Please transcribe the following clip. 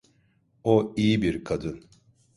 O iyi bir kadın.